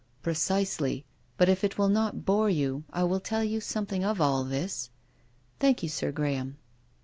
" Precisely. But if it will not bore you, I will tell you something of all this." " Thank you. Sir Graham."